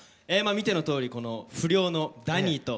見てのとおりこの不良のダニーと。